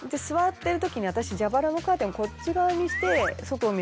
座ってるときに私蛇腹のカーテンをこっち側にして。